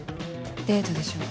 デートでしょう。